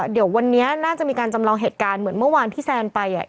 เดี๋ยววันนี้น่าจะมีการจำลองเหตุการณ์เหมือนเมื่อวานที่แซนไปอ่ะ